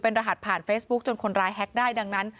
รหัสผ่านเฟซบุ๊คจนคนร้ายแฮ็กได้ดังนั้น